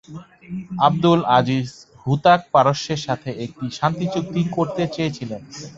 আবদুল আজিজ হুতাক পারস্যের সাথে একটি শান্তিচুক্তি করতে চেয়েছিলেন।